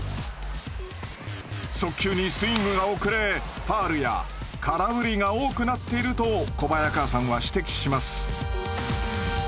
速球にスイングが遅れファウルや空振りが多くなっていると小早川さんは指摘します。